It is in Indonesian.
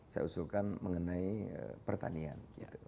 saya usulkan mengenai pertanian